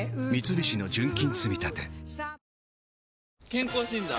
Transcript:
健康診断？